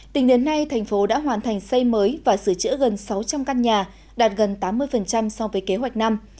tính đến nay thành phố đã hoàn thành xây mới và sửa chữa gần sáu trăm linh căn nhà đạt gần tám mươi so với kế hoạch năm